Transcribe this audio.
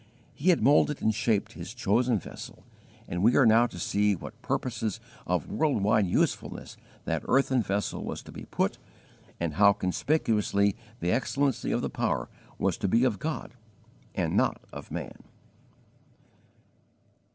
He had moulded and shaped His chosen vessel, and we are now to see to what purposes of world wide usefulness that earthen vessel was to be put, and how conspicuously the excellency of the power was to be of God and not of man.